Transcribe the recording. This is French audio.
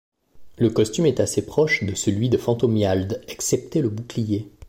Le costume est assez proche de celui de Fantomiald, excepté le bouclier.